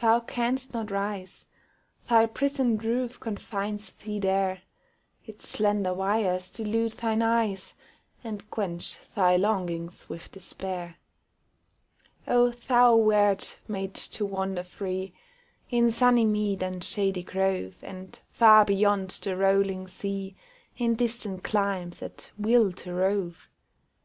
Thou canst not rise: Thy prison roof confines thee there; Its slender wires delude thine eyes, And quench thy longings with despair. Oh, thou wert made to wander free In sunny mead and shady grove, And far beyond the rolling sea, In distant climes, at will to rove!